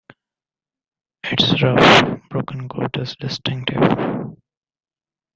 Its rough, broken coat is distinctive.